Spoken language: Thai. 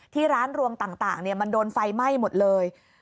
ที่ร้านรวมต่างมันโดนไฟไหม้หมดเลย